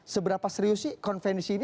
seberapa serius sih konvensi ini